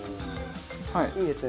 いいですね。